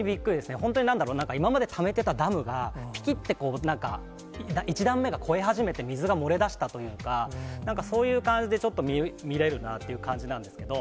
本当に、なんだろう、今までためてたダムがぴきって、なんか、１段目が越え始めて、水が漏れだしたというか、なんか、そういう感じで、ちょっと見れるなっていう感じなんですけれども。